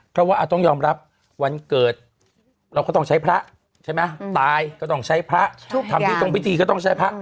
เพราะว่าต้องยอมรับวันเกิดเราก็ต้องใช้พระใช่ไหมตายก็ต้องใช้พระทำที่ตรงพิธีก็ต้องใช้พระ